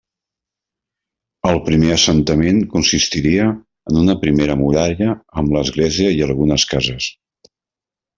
El primer assentament consistiria en una primera muralla amb l'església i algunes cases.